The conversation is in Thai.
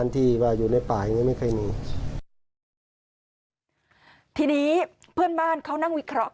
ทีนี้เพื่อนบ้านเขานั่งวิเคราะห์